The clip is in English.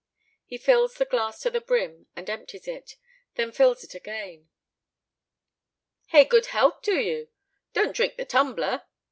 He fills the glass to the brim and empties it, then fills it again. "Hey, good health to you! Don't drink the tumbler!"